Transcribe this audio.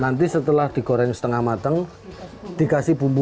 nanti setelah digoreng setengah mateng dikasih bumbu